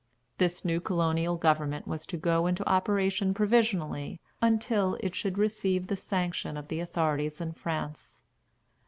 This new colonial government was to go into operation provisionally, until it should receive the sanction of the authorities in France.